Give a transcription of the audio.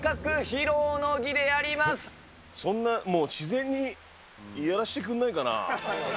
そんなもう、自然にやらせてくんないかな。